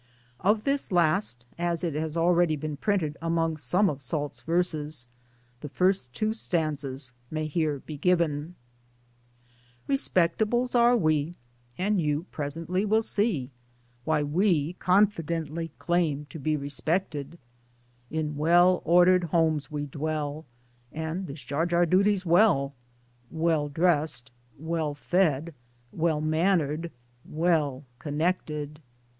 Of this last, as it has already been printed among some of Salt's verses, the two first stanzas may here be given : i Respectables are we And you presently will see Why we confidently claim to be respected : In well ordered homes we dwell And discharge our duties well Well dressed, well fed, well mannered, well connected.